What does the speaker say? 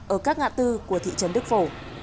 ở các ngã tư của thị trấn đức phổ